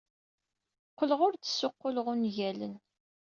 Qqleɣ ur d-ssuqquleɣ ungalen.